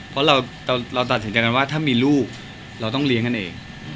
เพราะเราตัดสินใจกันว่าถ้ามีลูกเราต้องเลี้ยงกันเอง